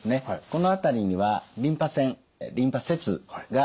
この辺りにはリンパ腺リンパ節があります。